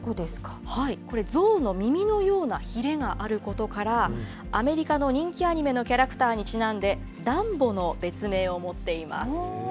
これ、ゾウの耳のようなヒレがあることから、アメリカの人気アニメのキャラクターにちなんで、ダンボの別名を持っています。